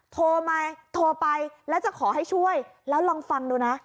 โทรมาโทรไปแล้วจะขอให้ช่วยแล้วลองฟังดูนะ